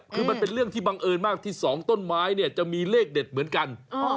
คือมันเป็นเรื่องที่บังเอิญมากที่สองต้นไม้เนี่ยจะมีเลขเด็ดเหมือนกัน